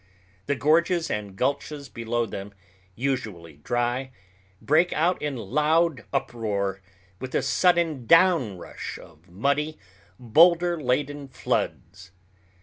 The gorges and gulches below them, usually dry, break out in loud uproar, with a sudden downrush of muddy, boulder laden floods.